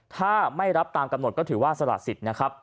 ถ้าไม่รับตามกำหนดก็ถือว่าสละสิทธิ์นะครับ